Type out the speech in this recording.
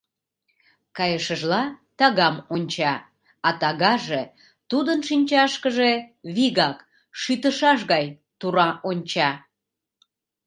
Кайышыжла тагам онча, а тагаже тудын шинчашкыже вигак, шӱтышаш гай тура онча.